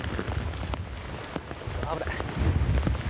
危ない。